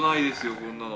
こんなの。